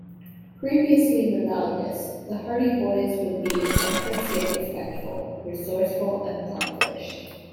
Previously rebellious, the Hardy Boys would be adventurous yet respectful, resourceful and accomplished.